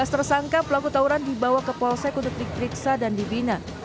dua belas tersangka pelaku tauran dibawa ke polsek untuk diperiksa dan dibina